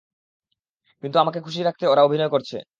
কিন্তু আমাকে খুশি রাখতে ওরা অভিনয় করছে।